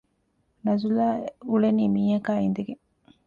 ނަޒުލާ އުޅެނީ މީހަކާ އިނދެގެން